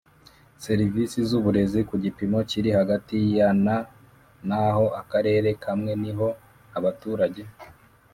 Servisi z uburezi ku gipimo kiri hagati ya na naho akarere kamwe niho abaturage